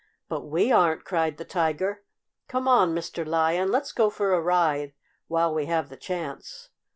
"But we aren't!" cried the Tiger. "Come on, Mr. Lion, let's go for a ride while we have the chance!"